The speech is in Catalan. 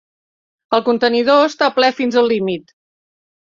El contenidor està ple fins al límit.